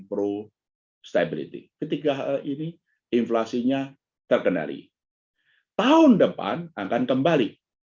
pro stability ketiga ini inflasinya terkendali tahun depan akan kembali